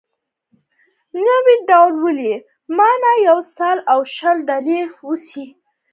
نو دوی ولې مانه یو سل او شل ډالره واخیستل.